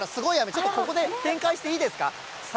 ちょっとここで展開していいですか。